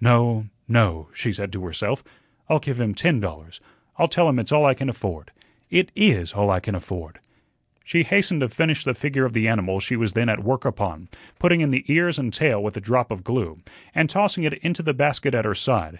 "No, no," she said to herself. "I'll give him ten dollars. I'll tell him it's all I can afford. It IS all I can afford." She hastened to finish the figure of the animal she was then at work upon, putting in the ears and tail with a drop of glue, and tossing it into the basket at her side.